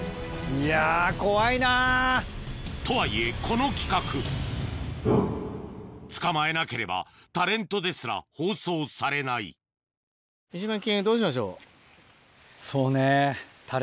いや怖いな。とはいえこの企画捕まえなければタレントですら放送されないおぉ。